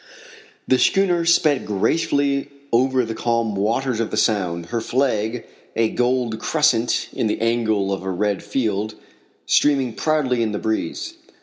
The schooner sped gracefully over the calm waters of the sound, her flag a gold crescent in the angle of a red field streaming proudly in the breeze.